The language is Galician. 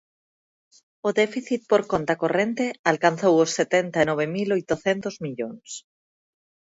O déficit por conta corrente alcanzou os setenta e nove mil oitocentos millóns